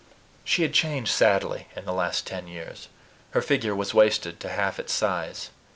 She had changed sadly in the last ten years. Her figure was wasted to half its size.